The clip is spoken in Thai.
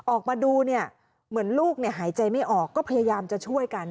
ออกมาดูเนี่ยเหมือนลูกหายใจไม่ออกก็พยายามจะช่วยกัน